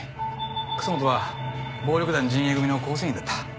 楠本は暴力団仁英組の構成員だった。